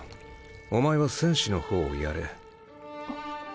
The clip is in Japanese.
お前は戦士の方を殺れ。